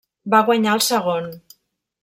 Va guanyar el segon.